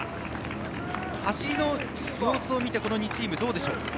走りの様子を見てこの２チーム、どうでしょう？